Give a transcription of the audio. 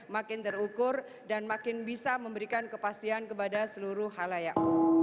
makin terukur dan makin bisa memberikan kepastian kepada seluruh halayak